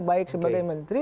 baik sebagai menteri